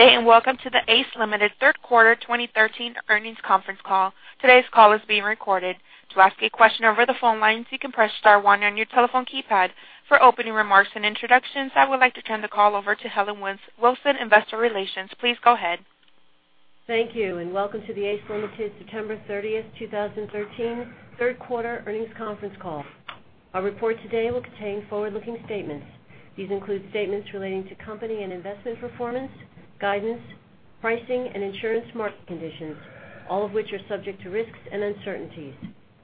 Good day. Welcome to the ACE Limited third quarter 2013 earnings conference call. Today's call is being recorded. To ask a question over the phone lines, you can press star one on your telephone keypad. For opening remarks and introductions, I would like to turn the call over to Helen Wilson, investor relations. Please go ahead. Thank you. Welcome to the ACE Limited September 30th, 2013 third quarter earnings conference call. Our report today will contain forward-looking statements. These include statements relating to company and investment performance, guidance, pricing, and insurance market conditions, all of which are subject to risks and uncertainties.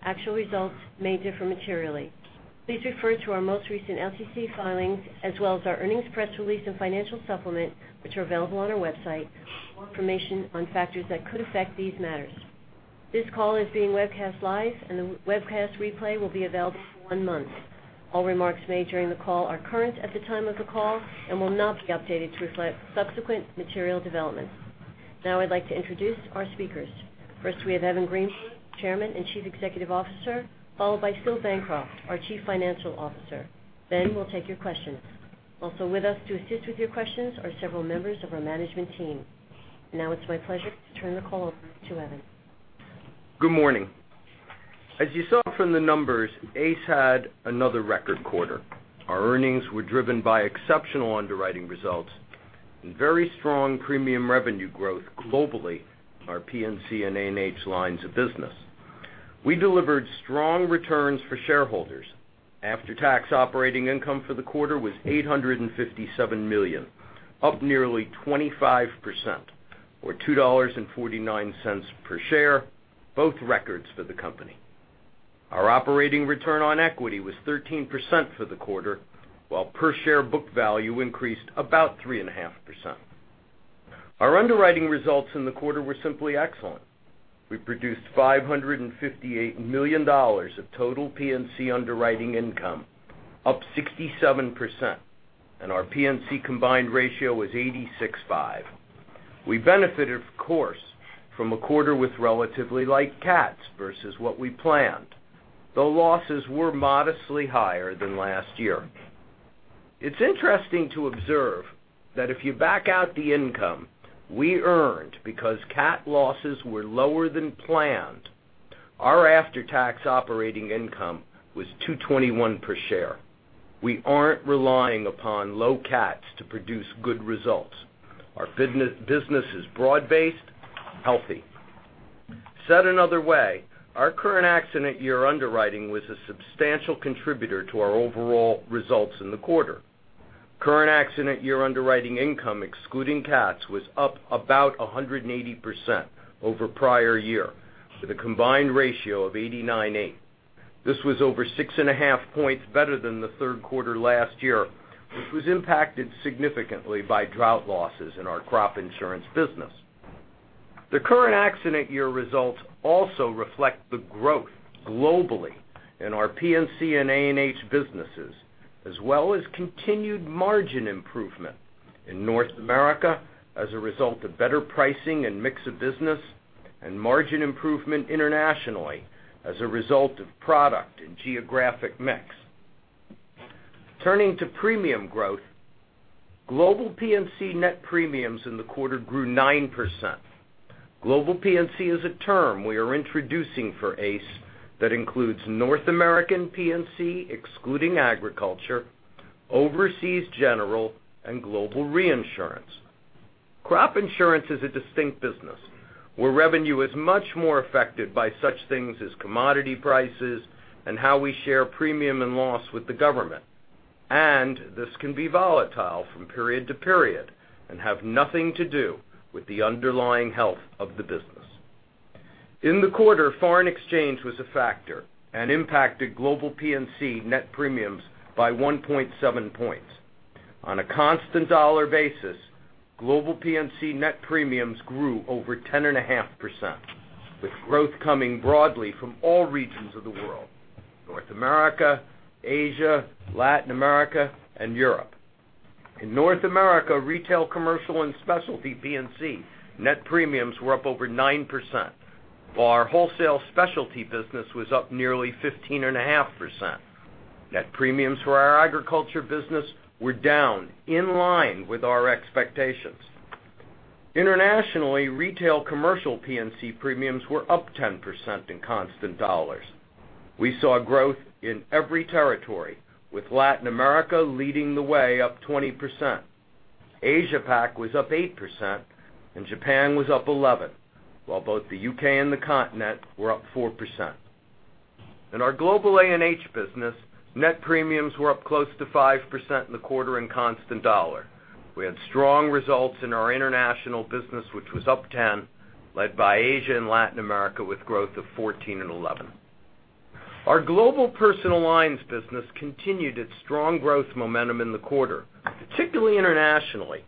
Actual results may differ materially. Please refer to our most recent SEC filings as well as our earnings press release and financial supplement, which are available on our website for more information on factors that could affect these matters. This call is being webcast live, and the webcast replay will be available for one month. All remarks made during the call are current at the time of the call and will not be updated to reflect subsequent material developments. I'd like to introduce our speakers. First, we have Evan Greenberg, Chairman and Chief Executive Officer, followed by Philip Bancroft, our Chief Financial Officer. We'll take your questions. Also with us to assist with your questions are several members of our management team. It's my pleasure to turn the call over to Evan. Good morning. As you saw from the numbers, ACE had another record quarter. Our earnings were driven by exceptional underwriting results and very strong premium revenue growth globally in our P&C and A&H lines of business. We delivered strong returns for shareholders. After-tax operating income for the quarter was $857 million, up nearly 25%, or $2.49 per share, both records for the company. Our operating return on equity was 13% for the quarter, while per share book value increased about 3.5%. Our underwriting results in the quarter were simply excellent. We produced $558 million of total P&C underwriting income, up 67%, and our P&C combined ratio was 86.5. We benefited, of course, from a quarter with relatively light CATs versus what we planned, though losses were modestly higher than last year. It's interesting to observe that if you back out the income we earned because CAT losses were lower than planned, our after-tax operating income was $2.21 per share. We aren't relying upon low CATs to produce good results. Our business is broad-based, healthy. Said another way, our current accident year underwriting was a substantial contributor to our overall results in the quarter. Current accident year underwriting income, excluding CATs, was up about 180% over prior year with a combined ratio of 89.8. This was over six and a half points better than the third quarter last year, which was impacted significantly by drought losses in our crop insurance business. The current accident year results also reflect the growth globally in our P&C and A&H businesses, as well as continued margin improvement in North America as a result of better pricing and mix of business and margin improvement internationally as a result of product and geographic mix. Turning to premium growth, global P&C net premiums in the quarter grew 9%. Global P&C is a term we are introducing for ACE that includes North American P&C, excluding agriculture, Overseas General, and Global Reinsurance. Crop insurance is a distinct business where revenue is much more affected by such things as commodity prices and how we share premium and loss with the government. This can be volatile from period to period and have nothing to do with the underlying health of the business. In the quarter, foreign exchange was a factor and impacted global P&C net premiums by 1.7 points. On a constant dollar basis, global P&C net premiums grew over 10.5%, with growth coming broadly from all regions of the world, North America, Asia, Latin America, and Europe. In North America, retail, commercial, and specialty P&C net premiums were up over 9%, while our wholesale specialty business was up nearly 15.5%. Net premiums for our agriculture business were down, in line with our expectations. Internationally, retail commercial P&C premiums were up 10% in constant dollars. We saw growth in every territory, with Latin America leading the way up 20%. Asia Pac was up 8% and Japan was up 11%, while both the U.K. and the Continent were up 4%. In our global A&H business, net premiums were up close to 5% in the quarter in constant dollar. We had strong results in our international business, which was up 10%, led by Asia and Latin America, with growth of 14% and 11%. Our global personal lines business continued its strong growth momentum in the quarter, particularly internationally,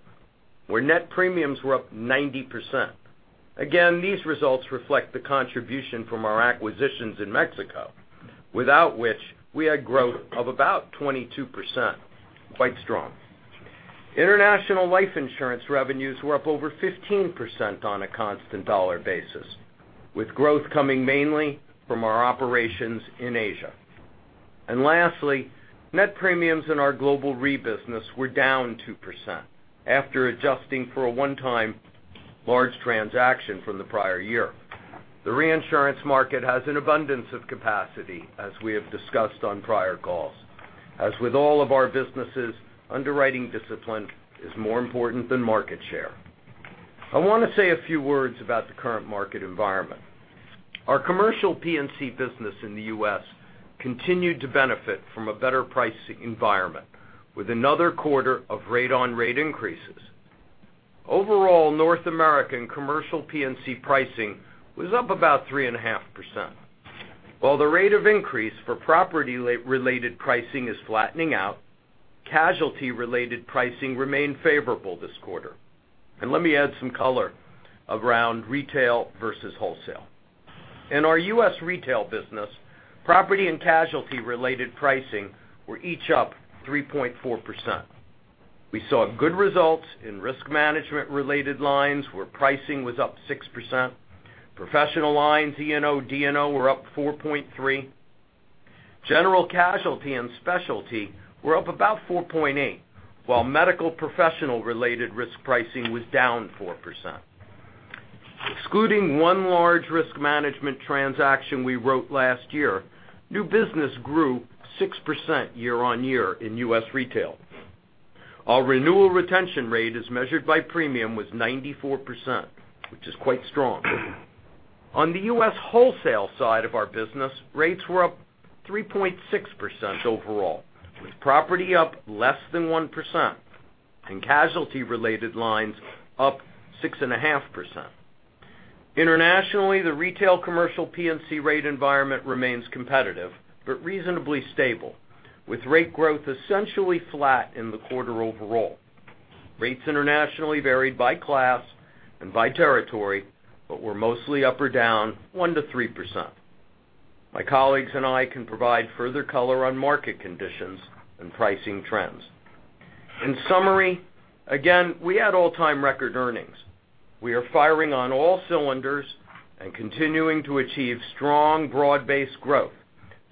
where net premiums were up 90%. Again, these results reflect the contribution from our acquisitions in Mexico, without which we had growth of about 22%, quite strong. International life insurance revenues were up over 15% on a constant dollar basis, with growth coming mainly from our operations in Asia. Lastly, net premiums in our global re-business were down 2%, after adjusting for a one-time large transaction from the prior year. The reinsurance market has an abundance of capacity, as we have discussed on prior calls. As with all of our businesses, underwriting discipline is more important than market share. I want to say a few words about the current market environment. Our commercial P&C business in the U.S. continued to benefit from a better pricing environment, with another quarter of rate on rate increases. Overall, North American commercial P&C pricing was up about 3.5%. While the rate of increase for property-related pricing is flattening out, casualty related pricing remained favorable this quarter. Let me add some color around retail versus wholesale. In our U.S. retail business, property and casualty related pricing were each up 3.4%. We saw good results in risk management related lines where pricing was up 6%. Professional lines, E&O, D&O were up 4.3%. General casualty and specialty were up about 4.8%, while medical professional related risk pricing was down 4%. Excluding one large risk management transaction we wrote last year, new business grew 6% year-over-year in U.S. retail. Our renewal retention rate as measured by premium was 94%, which is quite strong. On the U.S. wholesale side of our business, rates were up 3.6% overall, with property up less than 1% and casualty related lines up 6.5%. Internationally, the retail commercial P&C rate environment remains competitive but reasonably stable, with rate growth essentially flat in the quarter overall. Rates internationally varied by class and by territory, but were mostly up or down 1%-3%. My colleagues and I can provide further color on market conditions and pricing trends. In summary, again, we had all-time record earnings. We are firing on all cylinders and continuing to achieve strong, broad-based growth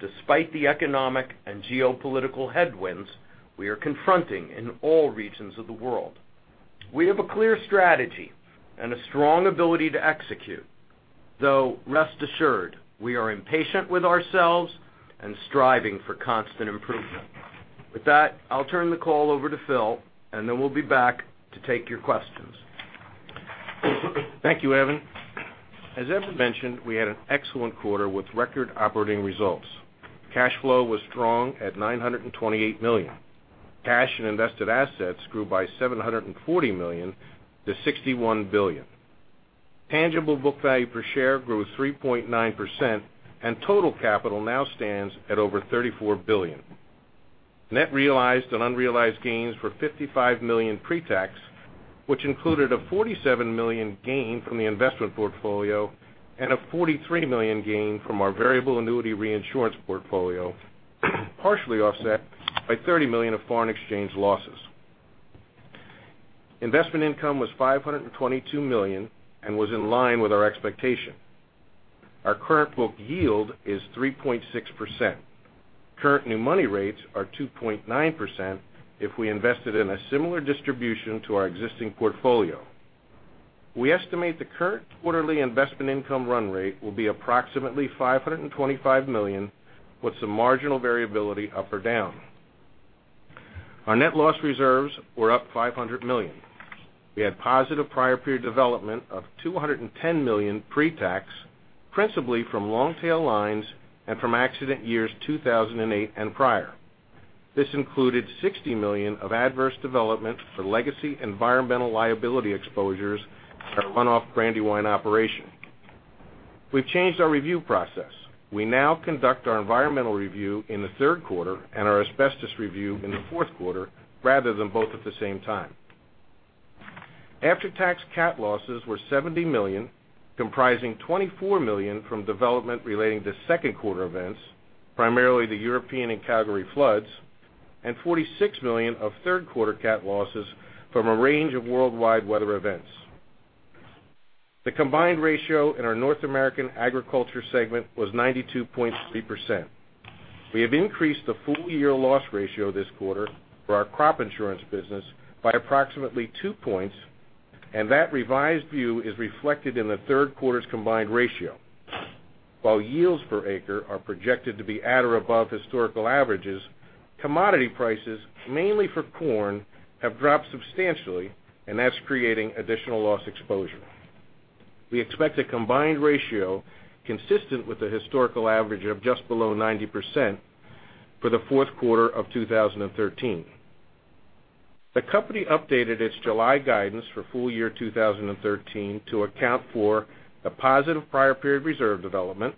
despite the economic and geopolitical headwinds we are confronting in all regions of the world. We have a clear strategy and a strong ability to execute. Rest assured, we are impatient with ourselves and striving for constant improvement. With that, I'll turn the call over to Phil, we'll be back to take your questions. Thank you, Evan. As Evan mentioned, we had an excellent quarter with record operating results. Cash flow was strong at $928 million. Cash and invested assets grew by $740 million to $61 billion. Tangible book value per share grew 3.9%, and total capital now stands at over $34 billion. Net realized and unrealized gains were $55 million pre-tax, which included a $47 million gain from the investment portfolio and a $43 million gain from our variable annuity reinsurance portfolio, partially offset by $30 million of foreign exchange losses. Investment income was $522 million and was in line with our expectation. Our current book yield is 3.6%. Current new money rates are 2.9% if we invested in a similar distribution to our existing portfolio. We estimate the current quarterly investment income run rate will be approximately $525 million with some marginal variability up or down. Our net loss reserves were up $500 million. We had positive prior period development of $210 million pre-tax, principally from long-tail lines and from accident years 2008 and prior. This included $60 million of adverse development for legacy environmental liability exposures at our runoff Brandywine operation. We've changed our review process. We now conduct our environmental review in the third quarter and our asbestos review in the fourth quarter, rather than both at the same time. After-tax CAT losses were $70 million, comprising $24 million from development relating to second quarter events, primarily the European and Calgary floods, and $46 million of third quarter CAT losses from a range of worldwide weather events. The combined ratio in our North American agriculture segment was 92.3%. We have increased the full year loss ratio this quarter for our crop insurance business by approximately two points, and that revised view is reflected in the third quarter's combined ratio. While yields per acre are projected to be at or above historical averages, commodity prices, mainly for corn, have dropped substantially, and that's creating additional loss exposure. We expect a combined ratio consistent with the historical average of just below 90% for the fourth quarter of 2013. The company updated its July guidance for full year 2013 to account for the positive prior period reserve development,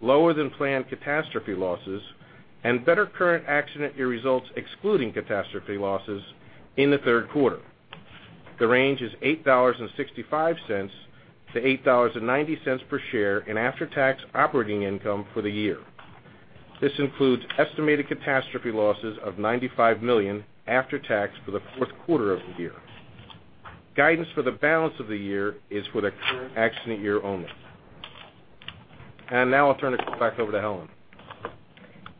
lower than planned CAT losses, and better current accident year results excluding CAT losses in the third quarter. The range is $8.65-$8.90 per share in after-tax operating income for the year. This includes estimated CAT losses of $95 million after tax for the fourth quarter of the year. Guidance for the balance of the year is for the current accident year only. Now I'll turn it back over to Helen.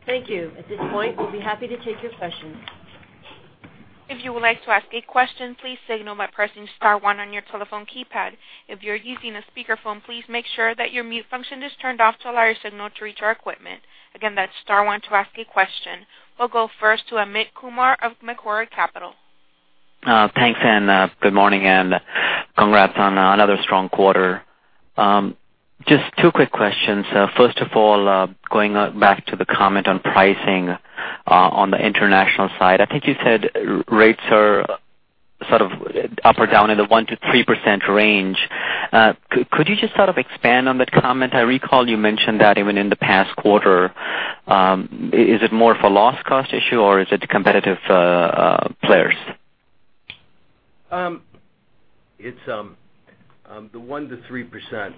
Thank you. At this point, we'll be happy to take your questions. If you would like to ask a question, please signal by pressing star one on your telephone keypad. If you're using a speakerphone, please make sure that your mute function is turned off to allow your signal to reach our equipment. Again, that's star one to ask a question. We'll go first to Amit Kumar of Macquarie Capital. Thanks. Good morning, and congrats on another strong quarter. Just two quick questions. First of all, going back to the comment on pricing on the international side, I think you said rates are sort of up or down in the 1%-3% range. Could you just sort of expand on that comment? I recall you mentioned that even in the past quarter. Is it more of a loss cost issue, or is it competitive players? The 1%-3%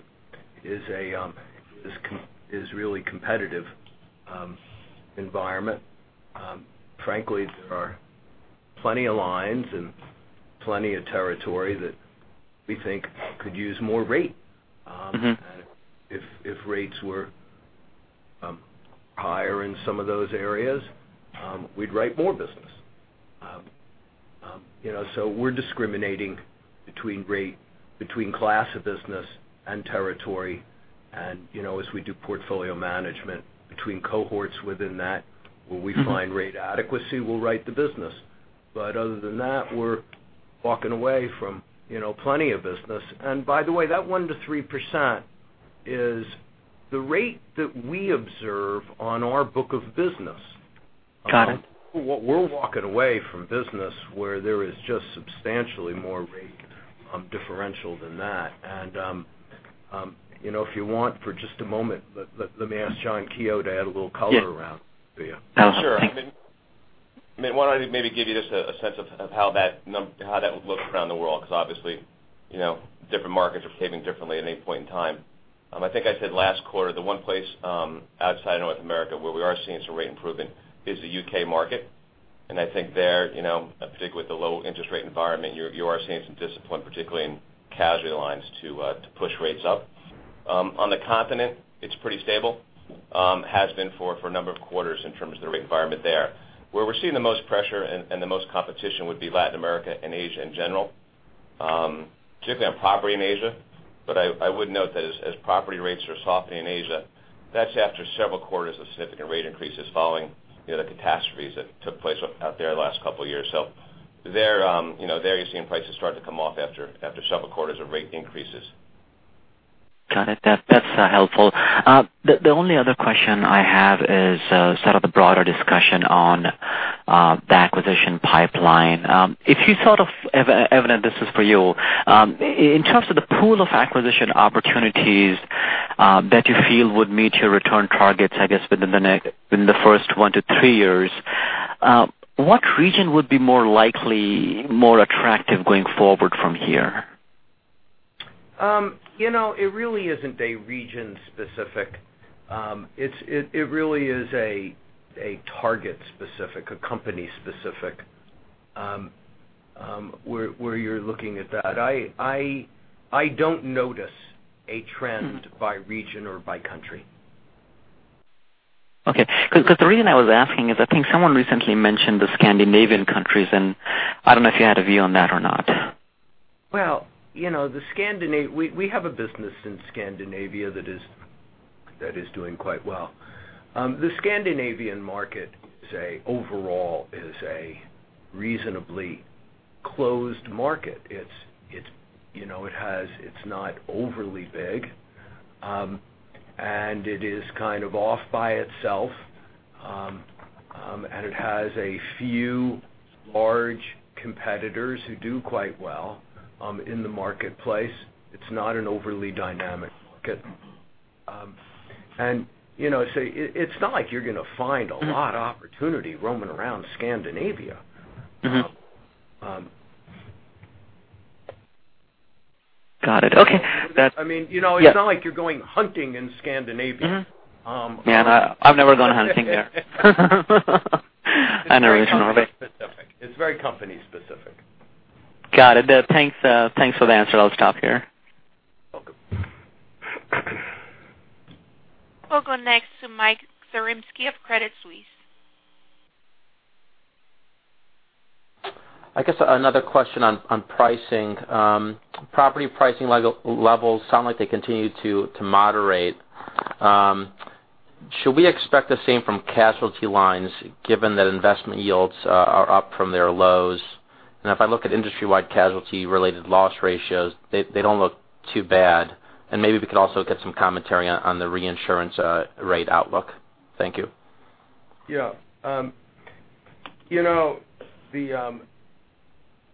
is really competitive environment. Frankly, there are plenty of lines and plenty of territory that we think could use more rate. If rates were higher in some of those areas, we'd write more business. We're discriminating between class of business and territory. As we do portfolio management between cohorts within that, where we find rate adequacy, we'll write the business. Other than that, we're walking away from plenty of business. By the way, that 1%-3% is the rate that we observe on our book of business. Got it. We're walking away from business where there is just substantially more rate differential than that. If you want, for just a moment, let me ask John Keogh to add a little color around for you. Sure. Why don't I maybe give you just a sense of how that would look around the world, because obviously, different markets are behaving differently at any point in time. I think I said last quarter, the one place outside of North America where we are seeing some rate improvement is the U.K. market. I think there, particularly with the low interest rate environment, you are seeing some discipline, particularly in casualty lines, to push rates up. On the continent, it's pretty stable. Has been for a number of quarters in terms of the rate environment there. Where we're seeing the most pressure and the most competition would be Latin America and Asia in general. Particularly on property in Asia. I would note that as property rates are softening in Asia, that's after several quarters of significant rate increases following the catastrophes that took place out there the last couple of years. There you're seeing prices start to come off after several quarters of rate increases. Got it. That's helpful. The only other question I have is sort of the broader discussion on the acquisition pipeline. Evan, this is for you. In terms of the pool of acquisition opportunities that you feel would meet your return targets, I guess, within the first one to three years, what region would be more likely, more attractive going forward from here? It really isn't a region specific. It really is a target specific, a company specific, where you're looking at that. I don't notice a trend by region or by country. Okay. The reason I was asking is I think someone recently mentioned the Scandinavian countries, and I don't know if you had a view on that or not. Well, we have a business in Scandinavia that is doing quite well. The Scandinavian market overall is a reasonably closed market. It's not overly big, and it is kind of off by itself. It has a few large competitors who do quite well in the marketplace. It's not an overly dynamic market. It's not like you're going to find a lot of opportunity roaming around Scandinavia. Mm-hmm. Got it. Okay. It's not like you're going hunting in Scandinavia. Mm-hmm. Yeah, I've never gone hunting there. I know the reason why. It's very company specific. Got it. Thanks for the answer. I'll stop here. Welcome. We'll go next to Mike Zaremski of Credit Suisse. I guess another question on pricing. Property pricing levels sound like they continue to moderate. Should we expect the same from casualty lines given that investment yields are up from their lows? If I look at industry-wide casualty related loss ratios, they don't look too bad. Maybe we could also get some commentary on the reinsurance rate outlook. Thank you. Yeah.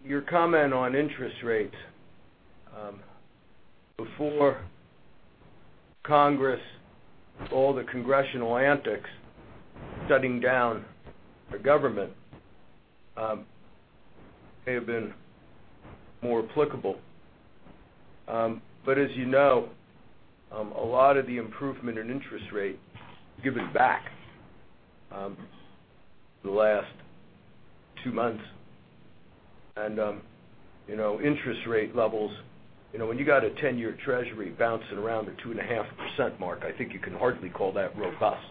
Your comment on interest rates, before Congress, all the congressional antics, shutting down the government may have been more applicable. As you know, a lot of the improvement in interest rate has given back the last two months. Interest rate levels, when you got a 10-year treasury bouncing around the 2.5% mark, I think you can hardly call that robust.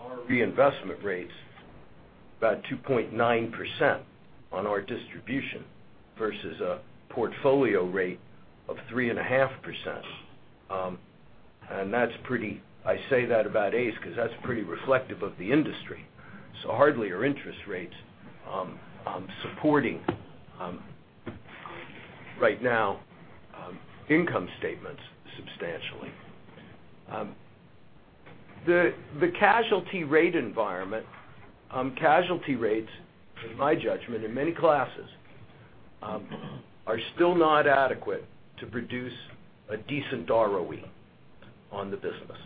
Our reinvestment rate's about 2.9% on our distribution versus a portfolio rate of 3.5%. I say that about ACE because that's pretty reflective of the industry. Hardly are interest rates supporting right now income statements substantially. The casualty rate environment, casualty rates, in my judgment, in many classes, are still not adequate to produce a decent ROE on the business.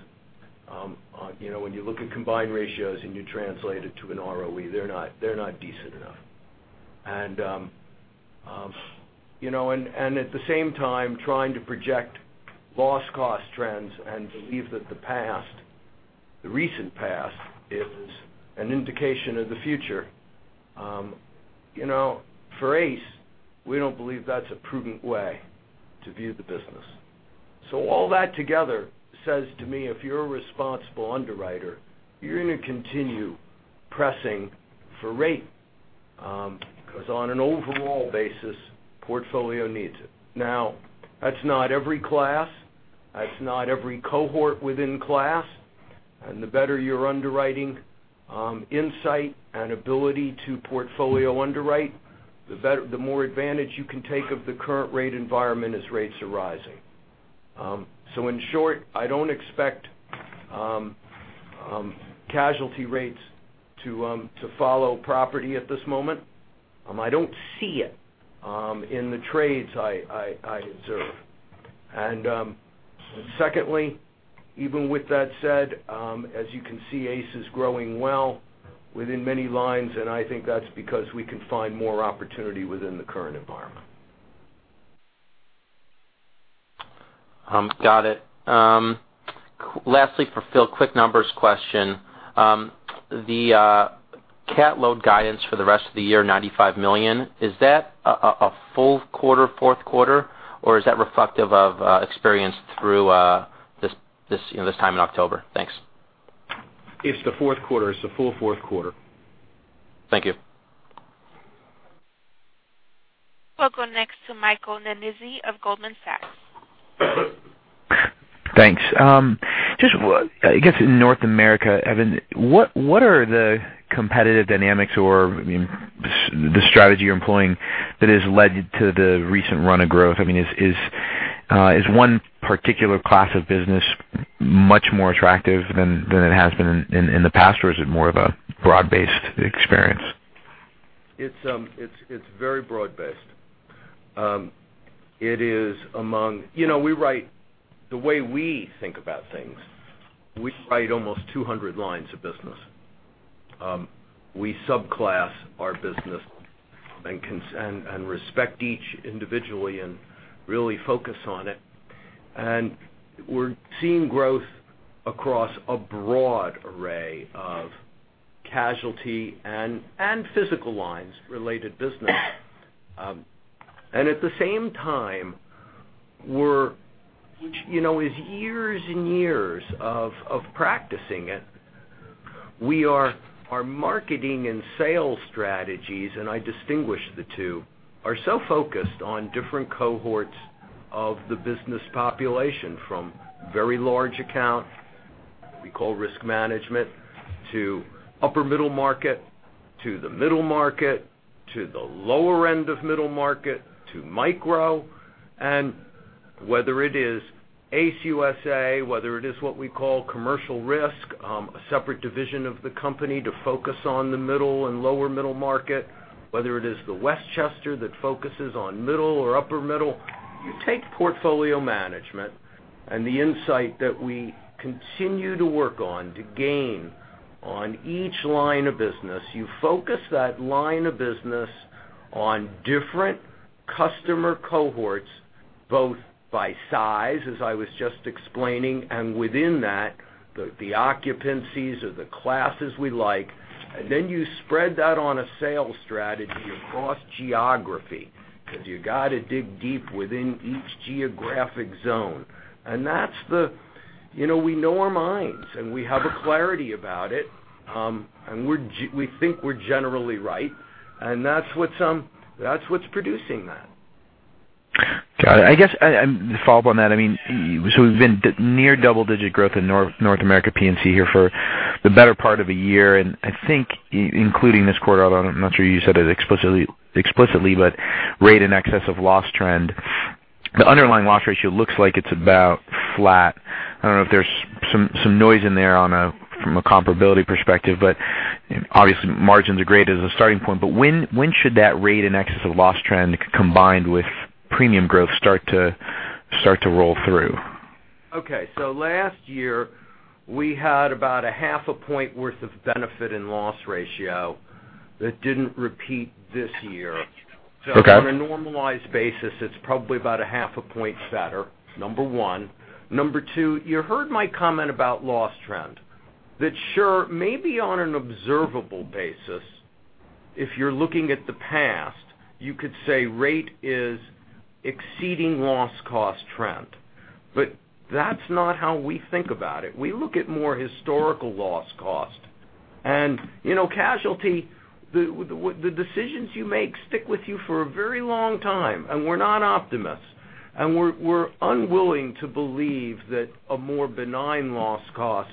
When you look at combined ratios and you translate it to an ROE, they're not decent enough. At the same time, trying to project loss cost trends and believe that the recent past is an indication of the future, for ACE, we don't believe that's a prudent way to view the business. All that together says to me, if you're a responsible underwriter, you're going to continue pressing for rate, because on an overall basis, portfolio needs it. That's not every class, that's not every cohort within class. The better your underwriting insight and ability to portfolio underwrite, the more advantage you can take of the current rate environment as rates are rising. In short, I don't expect casualty rates to follow property at this moment. I don't see it in the trades I observe. Secondly, even with that said, as you can see, ACE is growing well within many lines, and I think that's because we can find more opportunity within the current environment. Got it. Lastly for Phil, quick numbers question. The CAT load guidance for the rest of the year, $95 million, is that a full quarter fourth quarter, or is that reflective of experience through this time in October? Thanks. It's the fourth quarter. It's the full fourth quarter. Thank you. We'll go next to Michael Nannizzi of Goldman Sachs. Thanks. Just I guess in North America, Evan, what are the competitive dynamics or the strategy you're employing that has led to the recent run of growth? Is one particular class of business much more attractive than it has been in the past, or is it more of a broad-based experience? It's very broad-based. The way we think about things, we write almost 200 lines of business. We subclass our business and respect each individually and really focus on it. We're seeing growth across a broad array of casualty and physical lines related business. At the same time, with years and years of practicing it, our marketing and sales strategies, and I distinguish the two, are so focused on different cohorts of the business population, from very large accounts, we call risk management, to upper middle market, to the middle market, to the lower end of middle market, to micro. Whether it is ACE USA, whether it is what we call commercial risk, a separate division of the company to focus on the middle and lower middle market, whether it is the Westchester that focuses on middle or upper middle. You take portfolio management and the insight that we continue to work on to gain on each line of business. You focus that line of business on different customer cohorts, both by size, as I was just explaining, and within that, the occupancies or the classes we like. Then you spread that on a sales strategy across geography, because you got to dig deep within each geographic zone. We know our minds, and we have a clarity about it, and we think we're generally right, and that's what's producing that. Got it. I guess to follow up on that, we've been near double-digit growth in North America P&C here for the better part of a year, and I think including this quarter, although I'm not sure you said it explicitly, but rate in excess of loss trend. The underlying loss ratio looks like it's about flat. I don't know if there's some noise in there from a comparability perspective, but obviously margins are great as a starting point. When should that rate in excess of loss trend combined with premium growth start to roll through? Okay. Last year, we had about a half a point worth of benefit in loss ratio that didn't repeat this year. Okay. On a normalized basis, it's probably about a half a point better, number 1. Number 2, you heard my comment about loss trend. That sure, maybe on an observable basis, if you're looking at the past, you could say rate is exceeding loss cost trend. That's not how we think about it. We look at more historical loss cost and casualty, the decisions you make stick with you for a very long time, and we're not optimists, and we're unwilling to believe that a more benign loss cost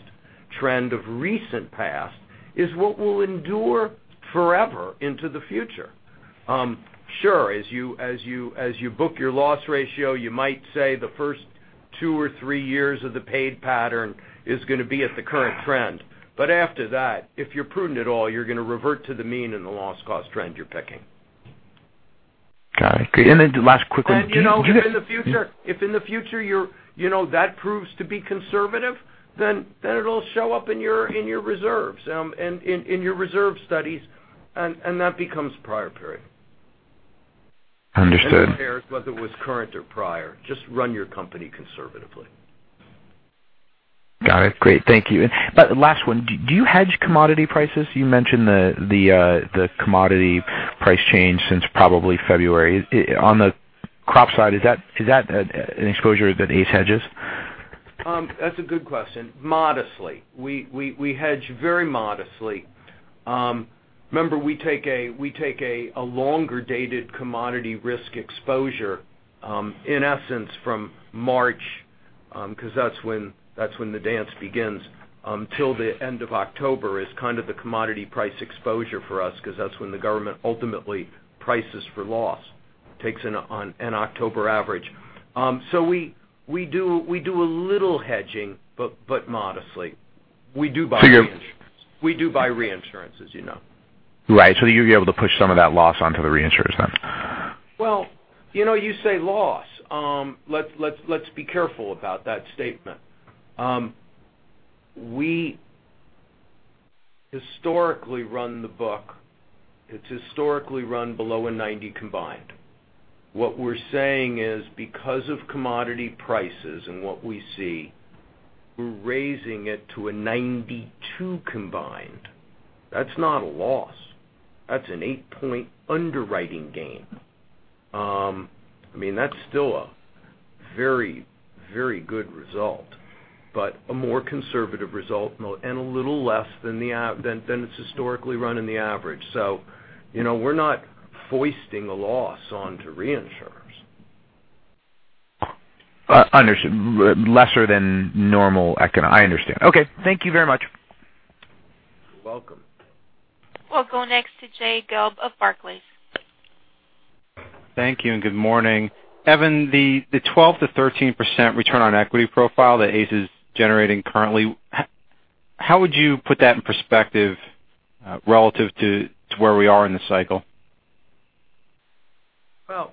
trend of recent past is what will endure forever into the future. Sure, as you book your loss ratio, you might say the first two or three years of the paid pattern is going to be at the current trend. After that, if you're prudent at all, you're going to revert to the mean and the loss cost trend you're picking. Got it. Okay. The last quick one. If in the future, that proves to be conservative, then it will show up in your reserves and in your reserve studies, and that becomes prior period. Understood. Who cares whether it was current or prior, just run your company conservatively. Got it. Great. Thank you. Last one. Do you hedge commodity prices? You mentioned the commodity price change since probably February. On the crop side, is that an exposure that ACE hedges? That's a good question. Modestly. We hedge very modestly. Remember, we take a longer-dated commodity risk exposure, in essence, from March, because that's when the dance begins, till the end of October is kind of the commodity price exposure for us, because that's when the government ultimately prices for loss. Takes an October average. We do a little hedging, but modestly. We do buy reinsurance, as you know. Right. You'll be able to push some of that loss onto the reinsurers then. Well, you say loss. Let's be careful about that statement. We historically run the book. It's historically run below a 90 combined. What we're saying is because of commodity prices and what we see, we're raising it to a 92 combined. That's not a loss. That's an eight-point underwriting gain. That's still a very good result, but a more conservative result and a little less than it's historically run in the average. We're not foisting a loss onto reinsurers. Understood. Lesser than normal econ. I understand. Okay. Thank you very much. You're welcome. We'll go next to Jay Gelb of Barclays. Thank you. Good morning. Evan, the 12%-13% return on equity profile that ACE is generating currently, how would you put that in perspective relative to where we are in the cycle? Well,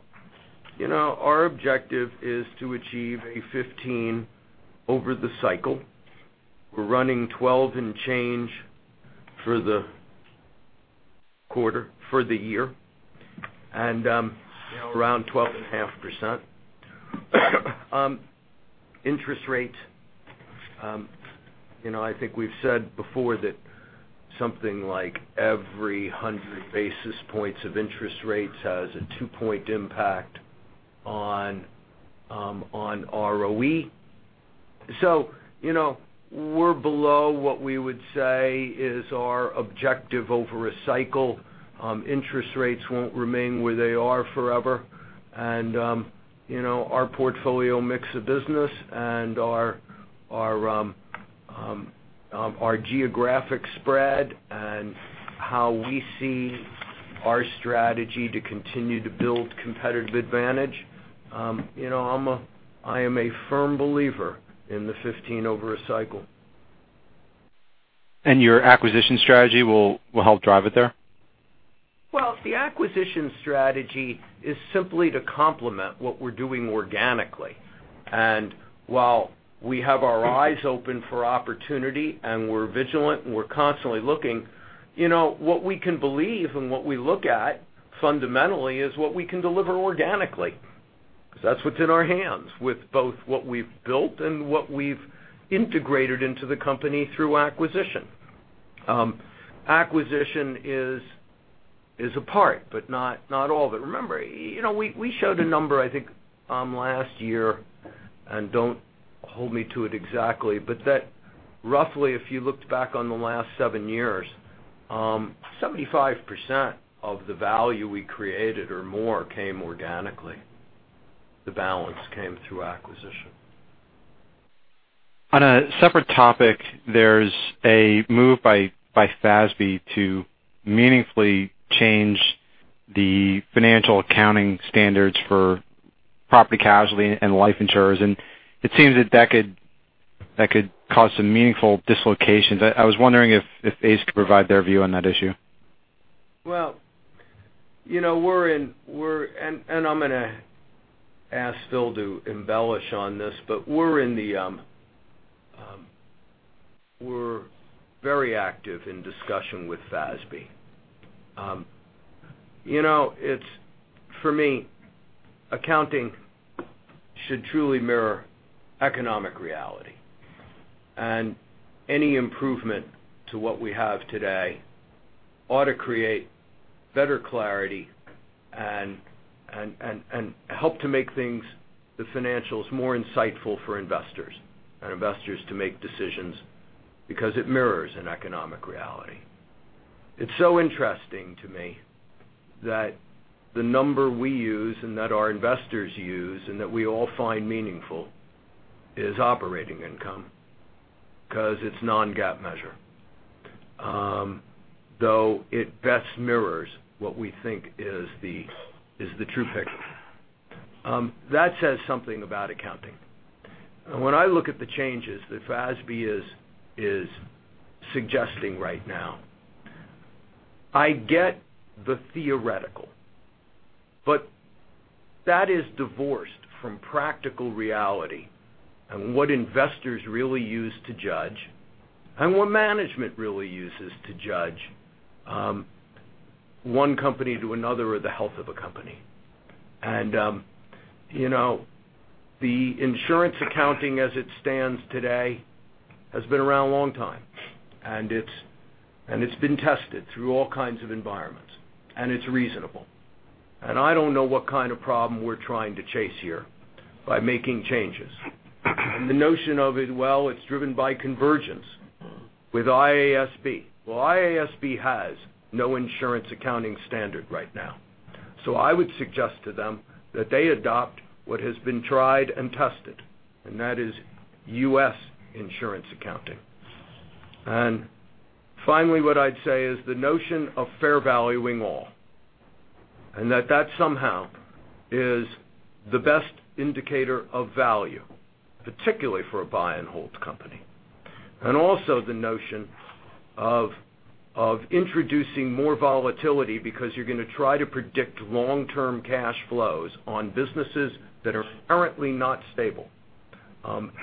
our objective is to achieve a 15 over the cycle. We're running 12 and change for the quarter, for the year, and around 12.5%. Interest rate, I think we've said before that something like every 100 basis points of interest rates has a two-point impact on ROE. We're below what we would say is our objective over a cycle. Interest rates won't remain where they are forever. Our portfolio mix of business and our geographic spread and how we see our strategy to continue to build competitive advantage. I am a firm believer in the 15 over a cycle. Your acquisition strategy will help drive it there? Well, the acquisition strategy is simply to complement what we're doing organically. While we have our eyes open for opportunity and we're vigilant and we're constantly looking, what we can believe and what we look at fundamentally is what we can deliver organically. That's what's in our hands with both what we've built and what we've integrated into the company through acquisition. Acquisition is a part, but not all of it. Remember, we showed a number, I think, last year, and don't hold me to it exactly, but that roughly, if you looked back on the last seven years, 75% of the value we created or more came organically. The balance came through acquisition. On a separate topic, there's a move by FASB to meaningfully change the financial accounting standards for property casualty and life insurers, and it seems that that could cause some meaningful dislocations. I was wondering if ACE could provide their view on that issue. Well, I'm going to ask Phil to embellish on this, but we're very active in discussion with FASB. For me, accounting should truly mirror economic reality. Any improvement to what we have today ought to create better clarity and help to make the financials more insightful for investors, and investors to make decisions, because it mirrors an economic reality. It's so interesting to me that the number we use and that our investors use, and that we all find meaningful, is operating income, because it's non-GAAP measure. It best mirrors what we think is the true picture. That says something about accounting. When I look at the changes that FASB is suggesting right now, I get the theoretical. That is divorced from practical reality and what investors really use to judge and what management really uses to judge one company to another, or the health of a company. The insurance accounting as it stands today, has been around a long time. It's been tested through all kinds of environments. It's reasonable. I don't know what kind of problem we're trying to chase here by making changes. The notion of it, well, it's driven by convergence with IASB. Well, IASB has no insurance accounting standard right now. I would suggest to them that they adopt what has been tried and tested, and that is U.S. insurance accounting. Finally, what I'd say is the notion of fair valuing all, and that that somehow is the best indicator of value, particularly for a buy and hold company. Also the notion of introducing more volatility because you're going to try to predict long-term cash flows on businesses that are currently not stable,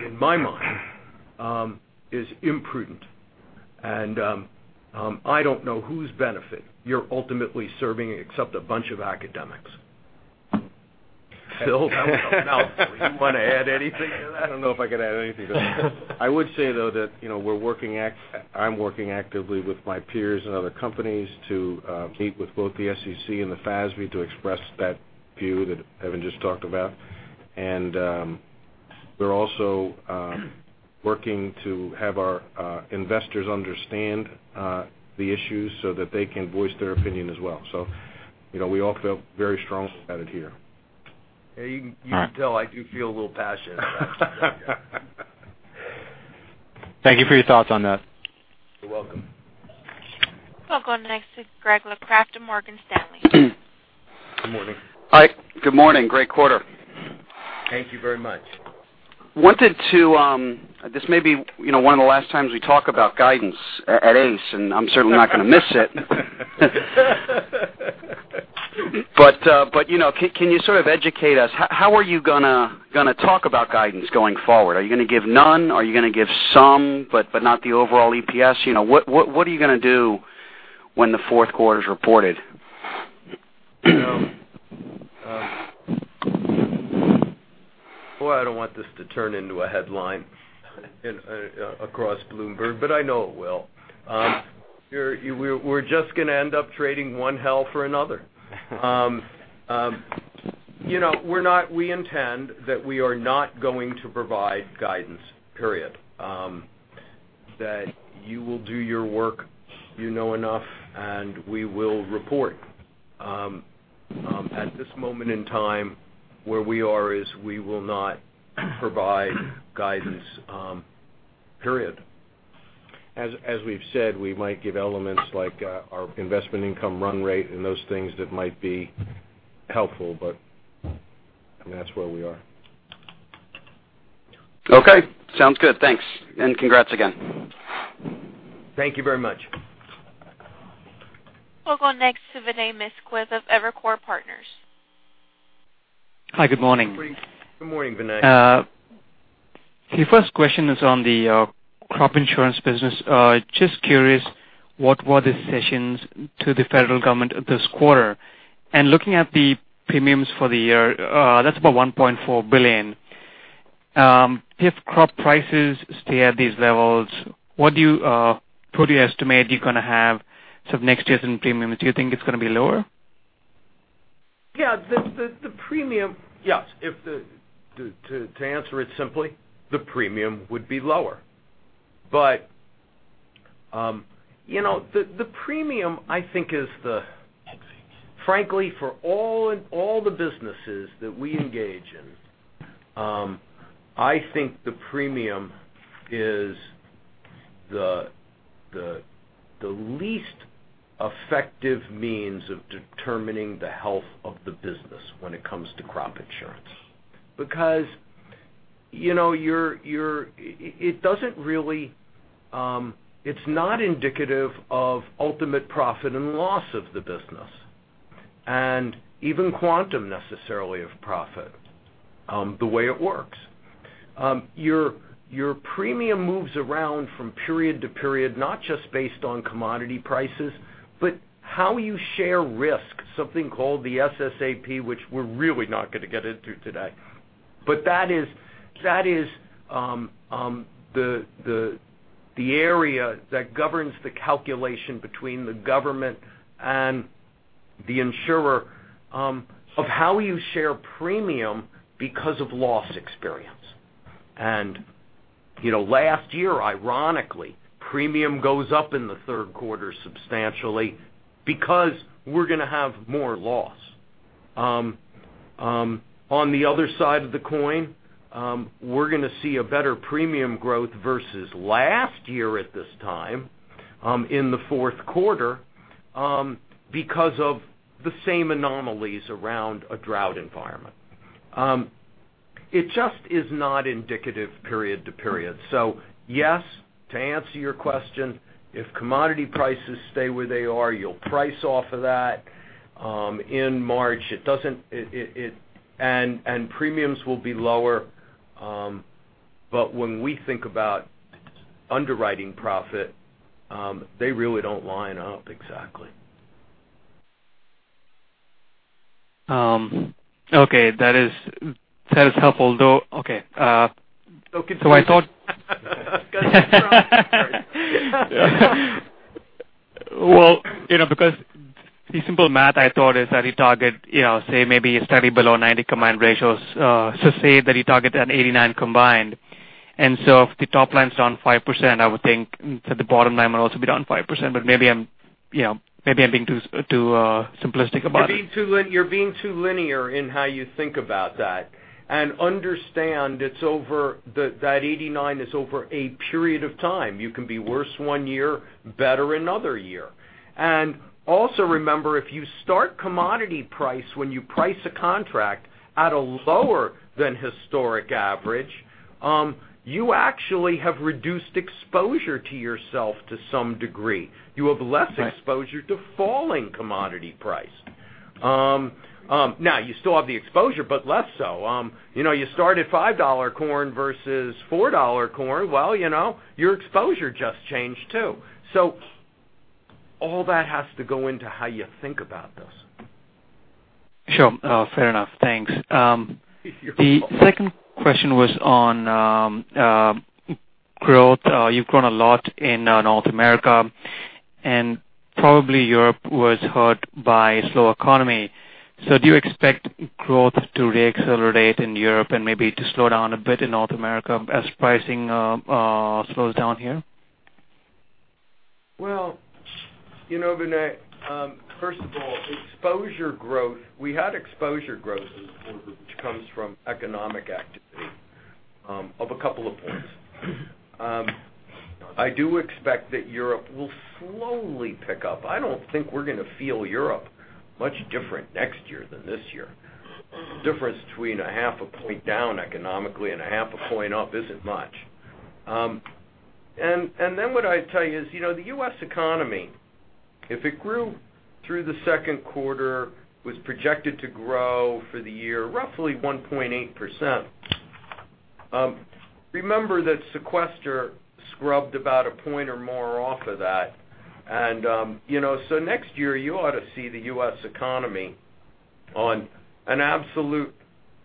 in my mind, is imprudent. I don't know whose benefit you're ultimately serving except a bunch of academics. Phil, that was a mouthful. Do you want to add anything to that? I don't know if I can add anything to that. I would say, though, that I'm working actively with my peers and other companies to meet with both the SEC and the FASB to express that view that Evan just talked about. We're also working to have our investors understand the issues so that they can voice their opinion as well. We all feel very strongly about it here. Yeah, you can tell I do feel a little passionate about it. Thank you for your thoughts on that. You're welcome. Welcome next to Greg Locraft of Morgan Stanley. Good morning. Hi. Good morning. Great quarter. Thank you very much. This may be one of the last times we talk about guidance at ACE, and I'm certainly not going to miss it. Can you sort of educate us? How are you going to talk about guidance going forward? Are you going to give none? Are you going to give some, but not the overall EPS? What are you going to do when the fourth quarter's reported? Boy, I don't want this to turn into a headline across Bloomberg, I know it will. We're just going to end up trading one hell for another. We intend that we are not going to provide guidance, period. That you will do your work, you know enough, and we will report. At this moment in time, where we are is we will not provide guidance, period. As we've said, we might give elements like our investment income run rate and those things that might be helpful, that's where we are. Okay. Sounds good. Thanks. Congrats again. Thank you very much. We'll go next to Vinay Misquith of Evercore Partners. Hi. Good morning. Good morning, Vinay. The first question is on the crop insurance business. Just curious, what were the sessions to the federal government this quarter? Looking at the premiums for the year, that's about $1.4 billion. If crop prices stay at these levels, what do you estimate you're going to have sort of next year in premiums? Do you think it's going to be lower? Yeah. To answer it simply, the premium would be lower. The premium, I think is frankly, for all the businesses that we engage in, I think the premium is the least effective means of determining the health of the business when it comes to crop insurance. It's not indicative of ultimate profit and loss of the business, and even quantum necessarily of profit, the way it works. Your premium moves around from period to period, not just based on commodity prices, but how you share risk, something called the SSAP, which we're really not going to get into today. That is the area that governs the calculation between the government and the insurer of how you share premium because of loss experience. Last year, ironically, premium goes up in the third quarter substantially because we're going to have more loss. On the other side of the coin, we're going to see a better premium growth versus last year at this time, in the fourth quarter, because of the same anomalies around a drought environment. It just is not indicative period to period. Yes, to answer your question, if commodity prices stay where they are, you'll price off of that in March, and premiums will be lower. When we think about underwriting profit, they really don't line up exactly. Okay. That is helpful though. Okay. No conclusion. I thought. Well, because the simple math, I thought, is that you target, say maybe a steady below 90% combined ratios. Say that you target that 89% combined. If the top line's down 5%, I would think that the bottom line will also be down 5%, but maybe I'm being too simplistic about it. You're being too linear in how you think about that. Understand that 89% is over a period of time. You can be worse one year, better another year. Also remember, if you start commodity price when you price a contract at a lower than historic average, you actually have reduced exposure to yourself to some degree. You have less exposure to falling commodity price. You still have the exposure, but less so. You start at $5 corn versus $4 corn. Well, your exposure just changed too. All that has to go into how you think about this. Sure. Fair enough. Thanks. You're welcome. The second question was on growth. You've grown a lot in North America, and probably Europe was hurt by slow economy. Do you expect growth to re-accelerate in Europe and maybe to slow down a bit in North America as pricing slows down here? Well, Vinay, first of all, exposure growth. We had exposure growth, which comes from economic activity of a couple of points. I do expect that Europe will slowly pick up. I don't think we're going to feel Europe much different next year than this year. Difference between a half a point down economically and a half a point up isn't much. What I'd tell you is, the U.S. economy, if it grew through the second quarter, was projected to grow for the year roughly 1.8%. Remember that sequester scrubbed about a point or more off of that. Next year, you ought to see the U.S. economy on an absolute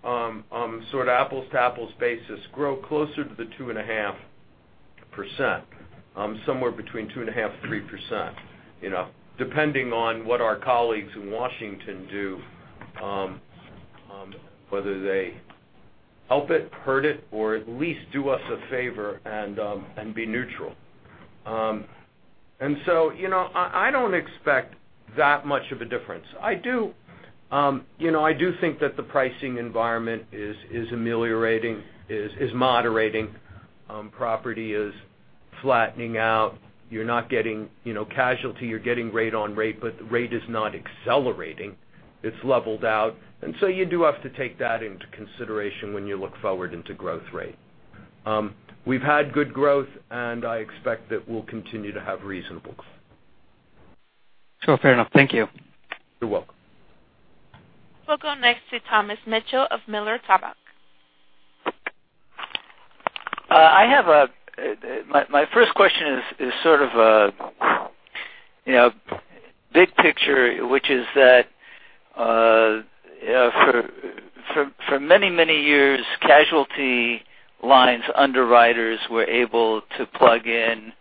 sort of apples-to-apples basis grow closer to the 2.5%, somewhere between 2.5%-3%, depending on what our colleagues in Washington do, whether they help it, hurt it, or at least do us a favor and be neutral. I don't expect that much of a difference. I do think that the pricing environment is ameliorating, is moderating. property is flattening out. casualty, you're getting rate on rate, but the rate is not accelerating. It's leveled out. You do have to take that into consideration when you look forward into growth rate. We've had good growth, and I expect that we'll continue to have reasonable growth. Sure. Fair enough. Thank you. You're welcome. We'll go next to Thomas Mitchell of Miller Tabak. My first question is sort of a big picture, which is that for many, many years, casualty lines underwriters were able to plug in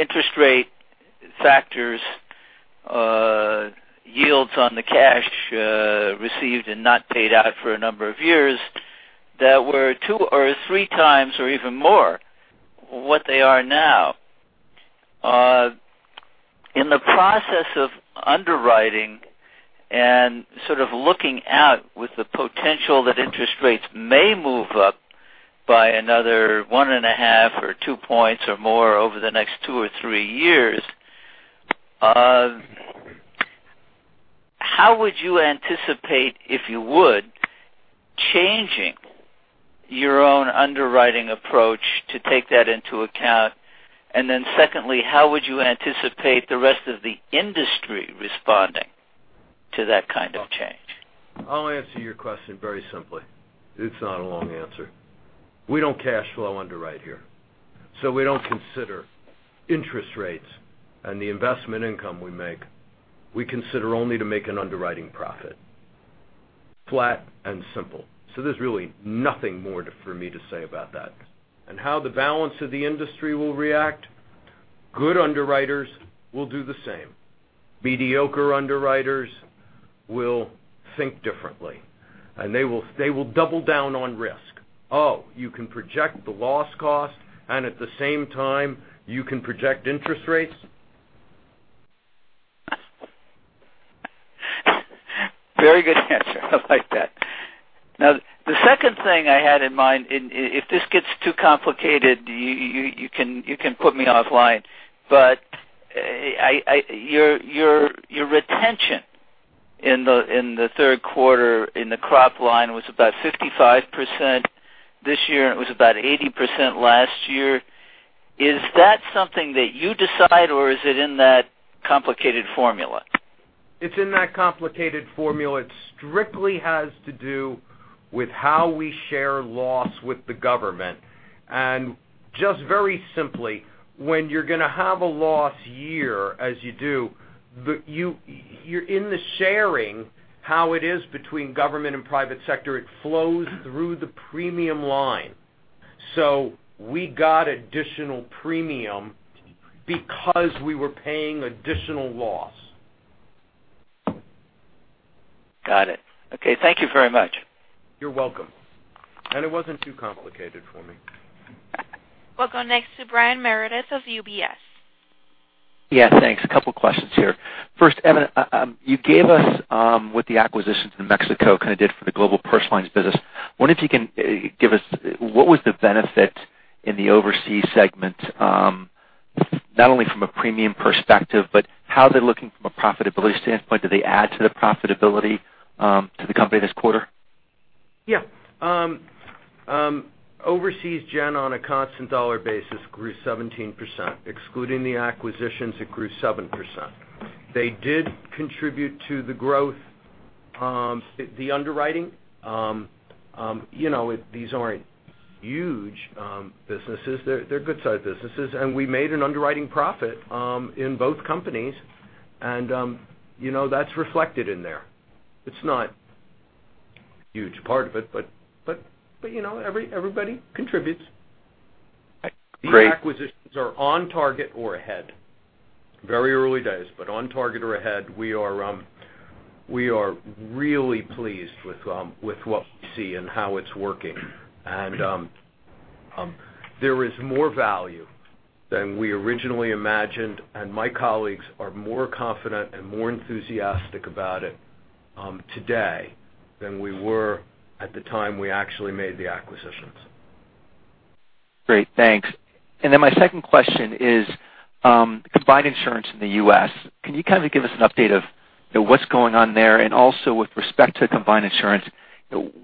interest rate factors, yields on the cash received and not paid out for a number of years that were two or three times or even more what they are now. In the process of underwriting and sort of looking out with the potential that interest rates may move up by another one and a half or two points or more over the next two or three years. How would you anticipate, if you would, changing your own underwriting approach to take that into account? Secondly, how would you anticipate the rest of the industry responding to that kind of change? I'll answer your question very simply. It's not a long answer. We don't cash flow underwrite here. We don't consider interest rates and the investment income we make. We consider only to make an underwriting profit, flat and simple. There's really nothing more for me to say about that. How the balance of the industry will react, good underwriters will do the same. Mediocre underwriters will think differently, and they will double down on risk. Oh, you can project the loss cost, and at the same time, you can project interest rates? Very good answer. I like that. The second thing I had in mind, if this gets too complicated, you can put me offline. Your retention in the third quarter in the crop line was about 55% this year. It was about 80% last year. Is that something that you decide, or is it in that complicated formula? It's in that complicated formula. It strictly has to do with how we share loss with the government. Just very simply, when you're going to have a loss year, as you do, in the sharing, how it is between government and private sector, it flows through the premium line. We got additional premium because we were paying additional loss. Got it. Okay, thank you very much. You're welcome. It wasn't too complicated for me. We'll go next to Brian Meredith of UBS. Yeah, thanks. A couple of questions here. First, Evan, you gave us what the acquisitions in Mexico kind of did for the global personal lines business. I wonder if you can give us what was the benefit in the overseas segment, not only from a premium perspective, but how they're looking from a profitability standpoint. Do they add to the profitability to the company this quarter? Yeah. Overseas gen on a constant dollar basis grew 17%. Excluding the acquisitions, it grew 7%. They did contribute to the growth. The underwriting, these aren't huge businesses. They're good-sized businesses. We made an underwriting profit in both companies, and that's reflected in there. It's not a huge part of it, but everybody contributes. Great. These acquisitions are on target or ahead. Very early days, but on target or ahead. We are really pleased with what we see and how it's working. There is more value than we originally imagined, and my colleagues are more confident and more enthusiastic about it today than we were at the time we actually made the acquisitions. Great, thanks. My second question is Combined Insurance in the U.S. Can you kind of give us an update of what's going on there? Also with respect to Combined Insurance,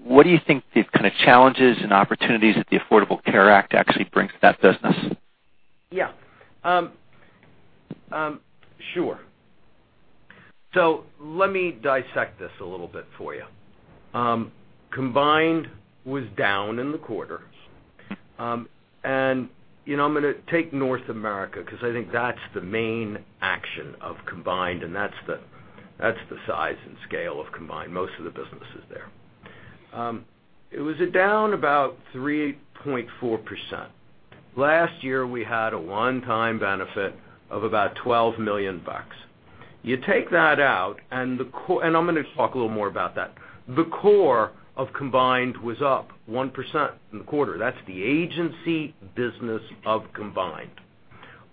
what do you think the kind of challenges and opportunities that the Affordable Care Act actually brings to that business? Yeah. Sure. Let me dissect this a little bit for you. Combined was down in the quarter. I'm going to take North America because I think that's the main action of Combined, and that's the size and scale of Combined. Most of the business is there. It was down about 3.4%. Last year, we had a one-time benefit of about $12 million. You take that out. I'm going to talk a little more about that. The core of Combined was up 1% in the quarter. That's the agency business of Combined.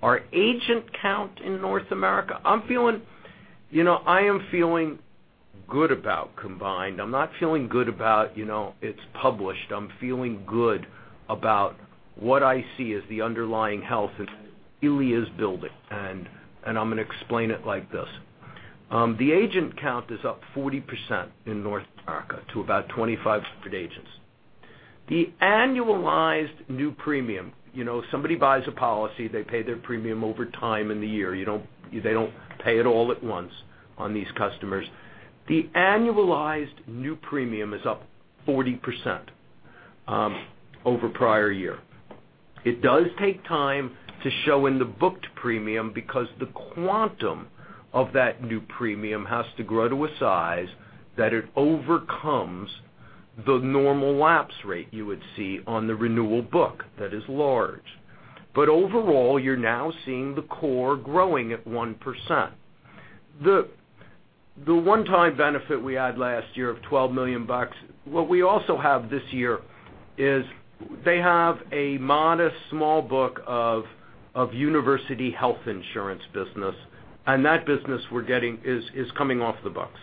Our agent count in North America, I am feeling good about Combined. I'm not feeling good about it's published. I'm feeling good about what I see as the underlying health that really is building, and I'm going to explain it like this. The agent count is up 40% in North America to about 2,500 agents. The annualized new premium, somebody buys a policy, they pay their premium over time in the year. They don't pay it all at once on these customers. The annualized new premium is up 40% over prior year. It does take time to show in the booked premium because the quantum of that new premium has to grow to a size that it overcomes the normal lapse rate you would see on the renewal book that is large. Overall, you're now seeing the core growing at 1%. The one-time benefit we had last year of $12 million, what we also have this year is they have a modest small book of university health insurance business, and that business we're getting is coming off the books.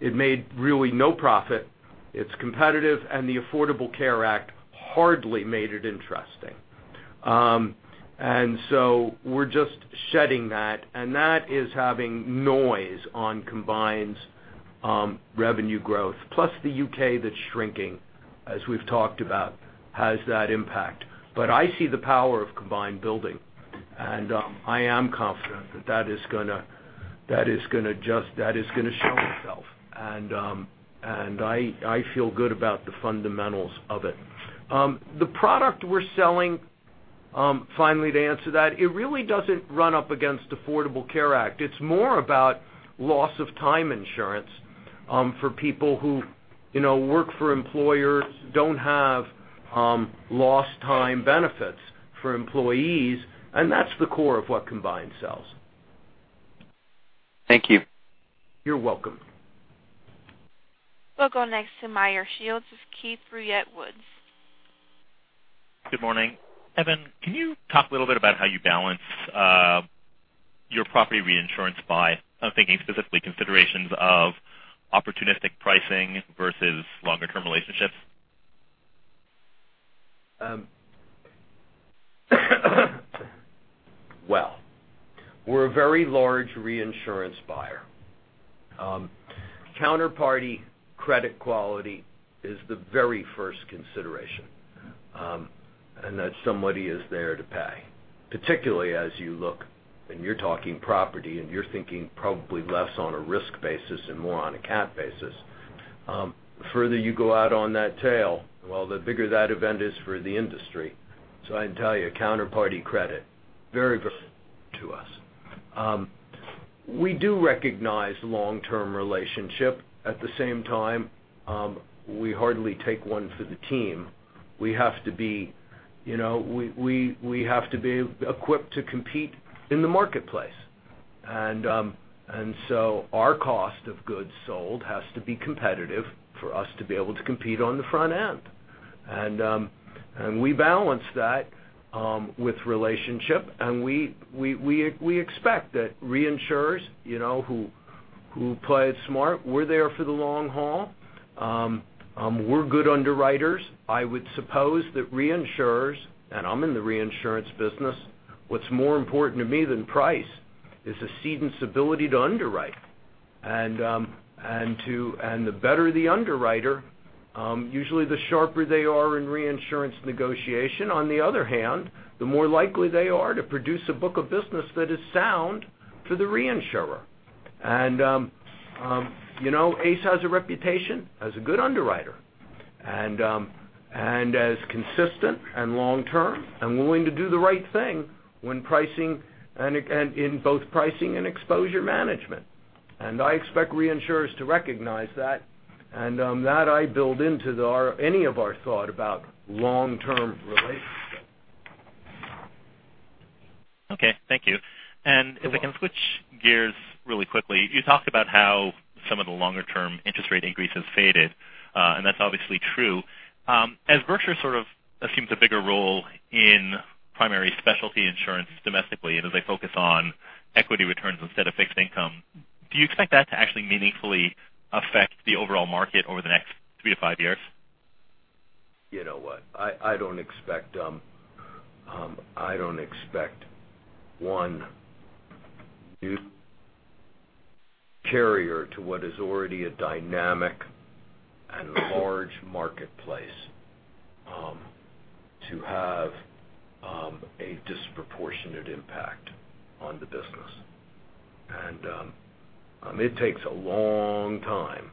It made really no profit. It's competitive, the Affordable Care Act hardly made it interesting. We're just shedding that, and that is having noise on combined revenue growth. Plus the U.K. that's shrinking, as we've talked about, has that impact. I see the power of combined building, I am confident that that is going to show itself. I feel good about the fundamentals of it. The product we're selling, finally, to answer that, it really doesn't run up against Affordable Care Act. It's more about loss of time insurance for people who work for employers who don't have lost time benefits for employees. That's the core of what Combined sells. Thank you. You're welcome. We'll go next to Meyer Shields's Keefe, Bruyette & Woods. Good morning. Evan, can you talk a little bit about how you balance your property reinsurance by, I'm thinking specifically considerations of opportunistic pricing versus longer-term relationships? Well, we're a very large reinsurance buyer. Counterparty credit quality is the very first consideration, and that somebody is there to pay, particularly as you look and you're talking property, and you're thinking probably less on a risk basis and more on a CAT basis. The further you go out on that tail, well, the bigger that event is for the industry. I can tell you, counterparty credit, very, very important to us. We do recognize long-term relationship. At the same time, we hardly take one for the team. We have to be equipped to compete in the marketplace. Our cost of goods sold has to be competitive for us to be able to compete on the front end. We balance that with relationship, and we expect that reinsurers who play it smart, we're there for the long haul. We're good underwriters. I would suppose that reinsurers, and I'm in the reinsurance business, what's more important to me than price is a cedent's ability to underwrite. The better the underwriter, usually the sharper they are in reinsurance negotiation. On the other hand, the more likely they are to produce a book of business that is sound to the reinsurer. ACE has a reputation as a good underwriter, and as consistent and long-term, and willing to do the right thing in both pricing and exposure management. I expect reinsurers to recognize that, and that I build into any of our thought about long-term relationships. Okay. Thank you. You're welcome. If I can switch gears really quickly, you talked about how some of the longer-term interest rate increases faded, and that's obviously true. As Berkshire sort of assumes a bigger role in primary specialty insurance domestically, as they focus on equity returns instead of fixed income, do you expect that to actually meaningfully affect the overall market over the next three to five years? You know what? I don't expect one new carrier to what is already a dynamic and large marketplace to have a disproportionate impact on the business. It takes a long time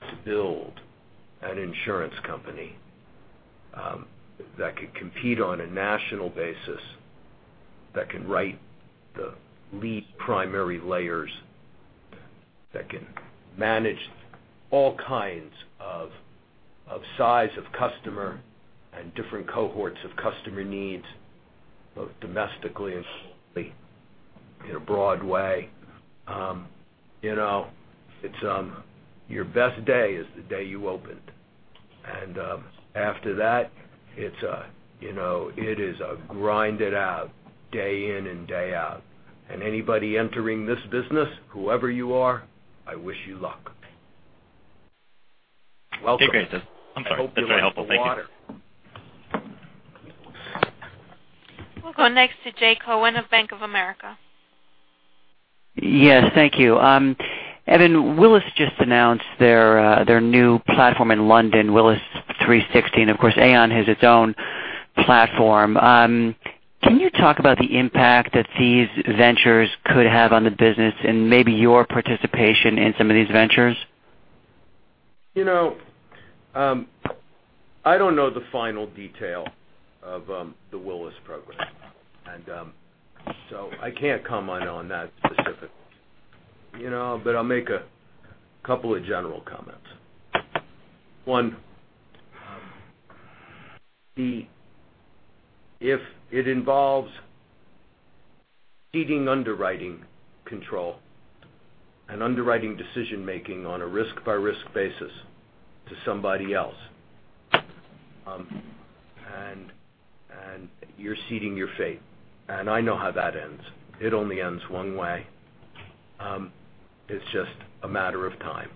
to build an insurance company that can compete on a national basis, that can write the lead primary layers, that can manage all kinds of size of customer and different cohorts of customer needs, both domestically and in a broad way. Your best day is the day you opened. After that, it is a grind it out, day in and day out. Anybody entering this business, whoever you are, I wish you luck. Welcome. Okay, great. I hope you like the water. That's very helpful. Thank you. We'll go next to Jay Cohen of Bank of America. Yes. Thank you. Evan, Willis just announced their new platform in London, Willis 360, and of course, Aon has its own platform. Can you talk about the impact that these ventures could have on the business and maybe your participation in some of these ventures? I don't know the final detail of the Willis program, and so I can't comment on that specifically. I'll make a couple of general comments. One, if it involves ceding underwriting control and underwriting decision-making on a risk-by-risk basis to somebody else, and you're ceding your fate. I know how that ends. It only ends one way. It's just a matter of time.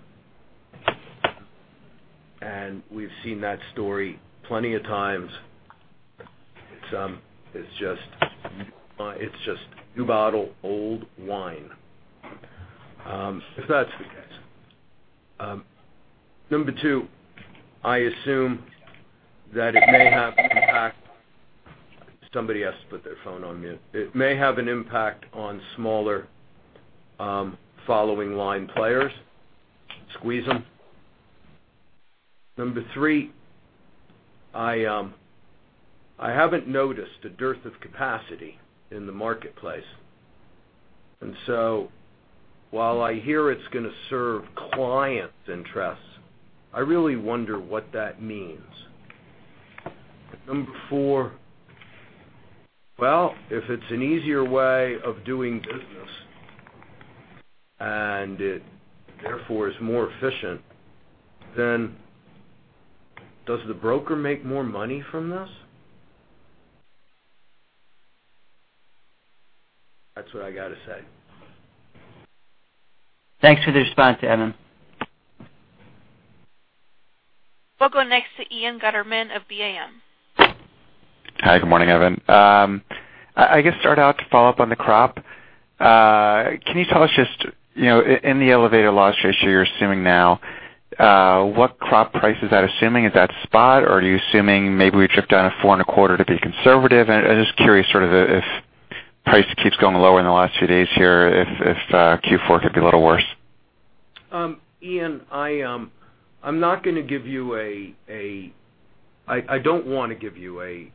We've seen that story plenty of times. It's just new bottle, old wine. If that's the case. Number two, I assume that it may have an impact. Somebody has to put their phone on mute. It may have an impact on smaller following line players, squeeze them. Number three, I haven't noticed a dearth of capacity in the marketplace. While I hear it's going to serve clients' interests, I really wonder what that means. Number 4, well, if it's an easier way of doing business, it therefore is more efficient, Does the broker make more money from this? That's what I got to say. Thanks for the response, Evan. We'll go next to Ian Gutterman of BAM. Hi, good morning, Evan. I guess start out to follow up on the crop. Can you tell us just, in the elevated loss ratio you're assuming now, what crop price is that assuming? Is that spot, or are you assuming maybe we drift down a four and a quarter to be conservative? I'm just curious sort of if price keeps going lower in the last few days here, if Q4 could be a little worse. Ian, I don't want to give you a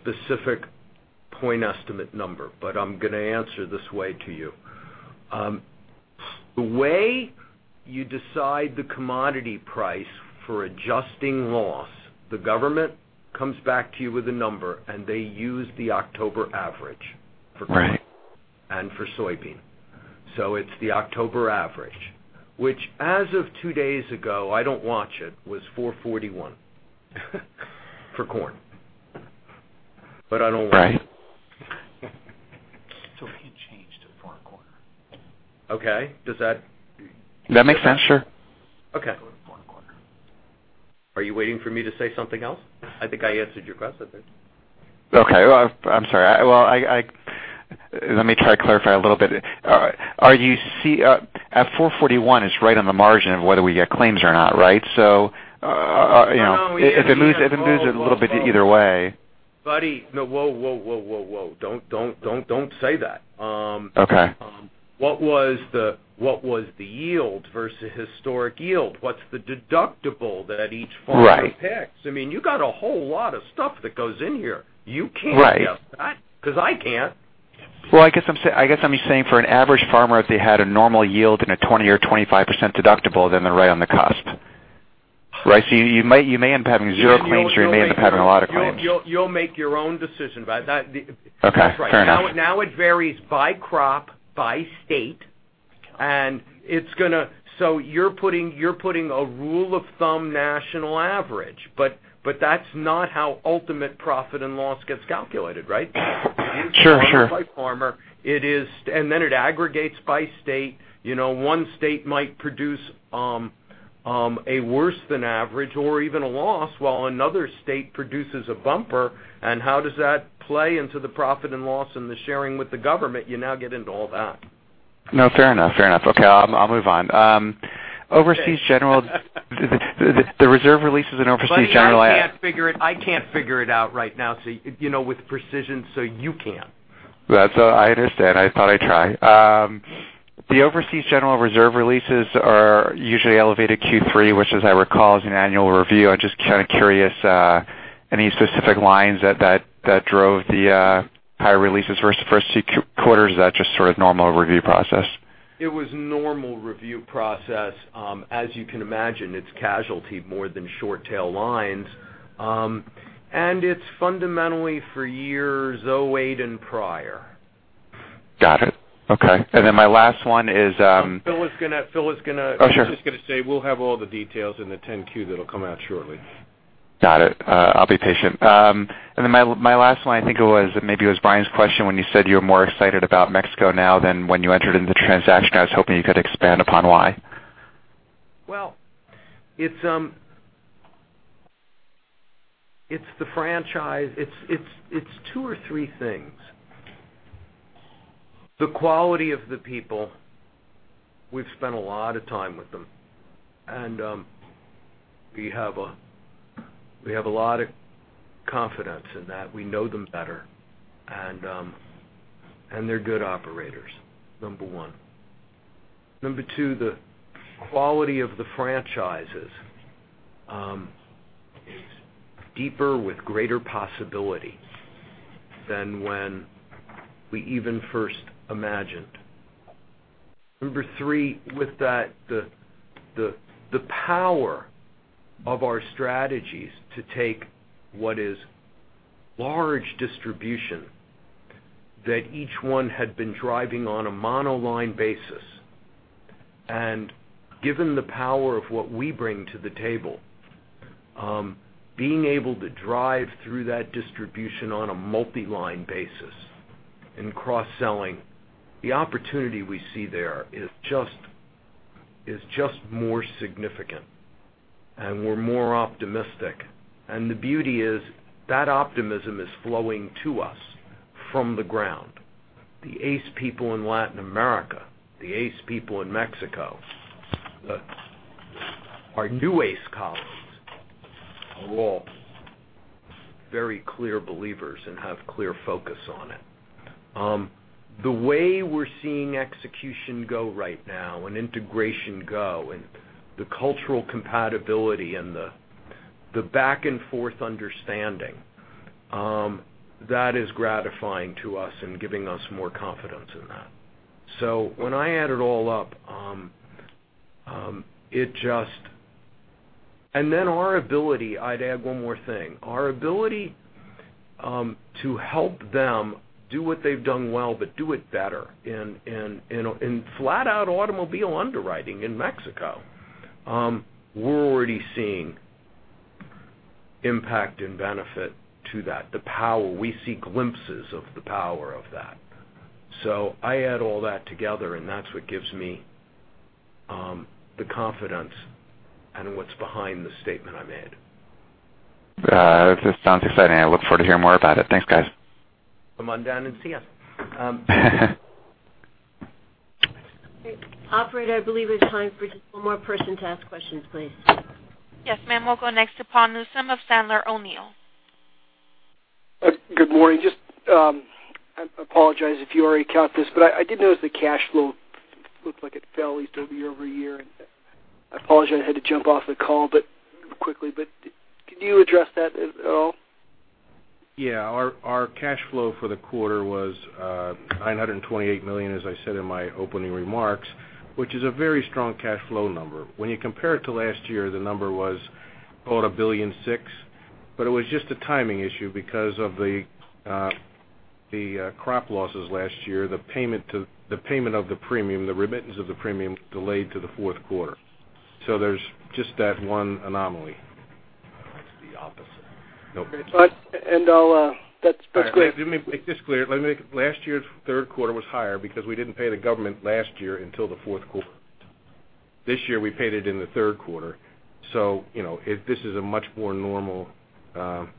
specific point estimate number, but I'm going to answer this way to you. The way you decide the commodity price for adjusting loss, the government comes back to you with a number, and they use the October average for corn- Right For soybean. It's the October average, which as of two days ago, I don't watch it, was 441 for corn. I don't watch. Right. It can change to four and a quarter. Okay. Does that. That makes sense. Sure. Okay. Four and a quarter. Are you waiting for me to say something else? I think I answered your question. Okay. I'm sorry. Well, let me try to clarify a little bit. At 441, it's right on the margin of whether we get claims or not, right? No. If it moves a little bit either way. Buddy, no. Whoa. Don't say that. Okay. What was the yield versus historic yield? What's the deductible that each farmer picks? Right. You got a whole lot of stuff that goes in here. You can't guess that. Right because I can't. Well, I guess I'm saying for an average farmer, if they had a normal yield and a 20% or 25% deductible, then they're right on the cusp. Right? You may end up having zero claims, or you may end up having a lot of claims. You'll make your own decision. Okay. Fair enough. It varies by crop, by state, and so you're putting a rule of thumb national average. That's not how ultimate profit and loss gets calculated, right? Sure. It's farmer by farmer. Then it aggregates by state. One state might produce a worse than average or even a loss while another state produces a bumper. How does that play into the profit and loss and the sharing with the government? You now get into all that. No, fair enough. Okay. I'll move on. The reserve releases in Overseas General- Buddy, I can't figure it out right now, so with precision, so you can't. That's all right. I understand. I thought I'd try. The Overseas General reserve releases are usually elevated Q3, which as I recall, is an annual review. I'm just kind of curious, any specific lines that drove the higher releases versus the first 2 quarters or is that just sort of normal review process? It was normal review process. As you can imagine, it's casualty more than short tail lines. It's fundamentally for years 2008 and prior. Got it. Okay. My last one is- Phil is going to- Oh, sure. I'm just going to say we'll have all the details in the 10-Q that'll come out shortly. Got it. I'll be patient. My last one, I think it was maybe it was Brian's question when you said you were more excited about Mexico now than when you entered into the transaction. I was hoping you could expand upon why. Well, it's the franchise. It's two or three things. The quality of the people. We've spent a lot of time with them, and we have a lot of confidence in that. We know them better. They're good operators, number one. Number two, the quality of the franchises is deeper with greater possibility than when we even first imagined. Number three, with that, the power of our strategies to take what is large distribution that each one had been driving on a monoline basis, and given the power of what we bring to the table Being able to drive through that distribution on a multi-line basis and cross-selling, the opportunity we see there is just more significant, and we're more optimistic. The beauty is that optimism is flowing to us from the ground. The ACE people in Latin America, the ACE people in Mexico, our new ACE colleagues, are all very clear believers and have clear focus on it. The way we're seeing execution go right now and integration go, and the cultural compatibility and the back-and-forth understanding, that is gratifying to us and giving us more confidence in that. When I add it all up, and then our ability, I'd add one more thing. Our ability to help them do what they've done well, but do it better in flat-out automobile underwriting in Mexico. We're already seeing impact and benefit to that. The power. We see glimpses of the power of that. I add all that together, and that's what gives me the confidence and what's behind the statement I made. This sounds exciting. I look forward to hearing more about it. Thanks, guys. Come on down and see us. Okay. Operator, I believe it is time for just one more person to ask questions, please. Yes, ma'am. We'll go next to Paul Newsome of Sandler O'Neill. Good morning. I apologize if you already account for this, but I did notice the cash flow looked like it fell year-over-year. I apologize I had to jump off the call quickly, but can you address that at all? Our cash flow for the quarter was $928 million, as I said in my opening remarks, which is a very strong cash flow number. When you compare it to last year, the number was about $1.6 billion, but it was just a timing issue because of the crop losses last year, the payment of the premium, the remittance of the premium delayed to the fourth quarter. There's just that one anomaly. It's the opposite. Nope. That's clear. Let me make this clear. Last year's third quarter was higher because we didn't pay the government last year until the fourth quarter. This year, we paid it in the third quarter. This is a much more normal quarter.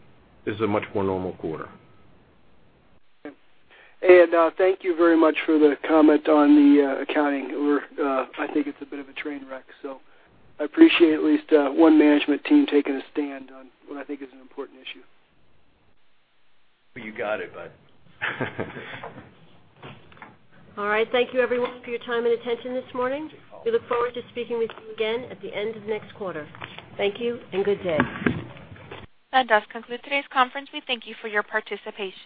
Okay. Thank you very much for the comment on the accounting. I think it's a bit of a train wreck, so I appreciate at least one management team taking a stand on what I think is an important issue. You got it, bud. All right. Thank you everyone for your time and attention this morning. We look forward to speaking with you again at the end of next quarter. Thank you and good day. That does conclude today's conference. We thank you for your participation.